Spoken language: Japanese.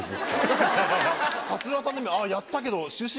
やったけど。